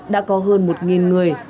đã có hơn một người